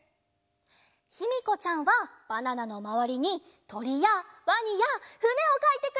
ひみこちゃんはバナナのまわりにとりやワニやふねをかいてくれました！